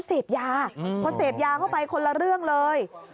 เสพยาพอเสพยาเข้าไปคนละเรื่องเลย